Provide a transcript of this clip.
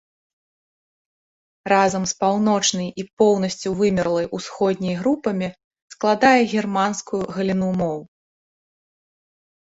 Разам з паўночнай і поўнасцю вымерлай усходняй групамі складае германскую галіну моў.